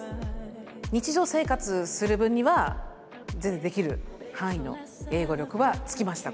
日常生活する分には全然できる範囲の英語力はつきました